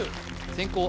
先攻